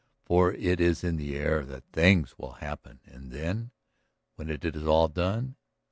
For it is in the air that things will happen. And then, when it is all done